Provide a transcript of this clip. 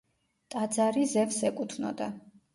ტაძარი ზევსს ეკუთვნოდა.